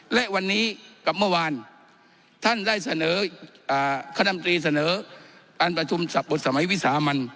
และวันนี้กับเมื่อวานท่านได้เสนอคณะมตรีเสนอการประชุมสับบทสมัยวิสามัน